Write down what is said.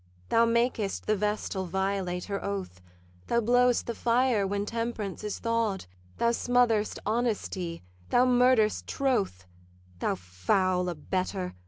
'Thou makest the vestal violate her oath; Thou blow'st the fire when temperance is thaw'd; Thou smother'st honesty, thou murder'st troth; Thou foul abettor!